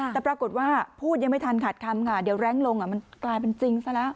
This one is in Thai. แต่ปรากฏว่าพูดยังไม่ทันขาดคำค่ะเดี๋ยวแรงลงมันกลายเป็นจริงซะแล้ว